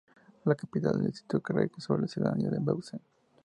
La capital del distrito recae sobre la ciudad de Bautzen.